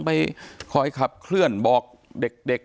ไปคอยขับเคลื่อนบอกเด็ก